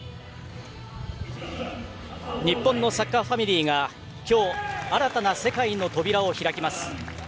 日本のサッカーファミリーが今日新たな世界の扉を開きます。